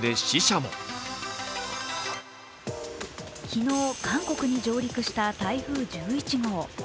昨日、韓国に上陸した台風１１号。